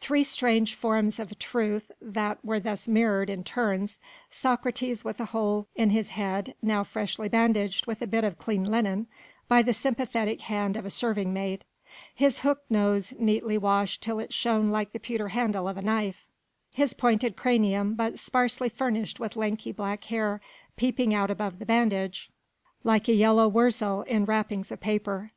Three strange forms of a truth that were thus mirrored in turns. Socrates with a hole in his head, now freshly bandaged with a bit of clean linen by the sympathetic hand of a serving maid: his hooked nose neatly washed till it shone like the pewter handle of a knife, his pointed cranium but sparsely furnished with lanky black hair peeping out above the bandage like a yellow wurzel in wrappings of paper.